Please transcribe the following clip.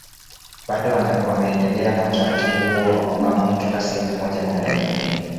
Bado wameendelea na utaratibu huo wa kuhama kutoka sehemu moja kwenda nyingine